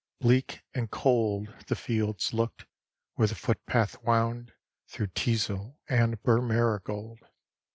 Bleak and cold The fields looked, where the foot path wound Through teasel and bur marigold....